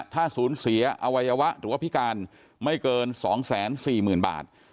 ถ้าสูญเสียอวัยวะหรือว่าพิการไม่เกิน๒๔๐๐๐บาท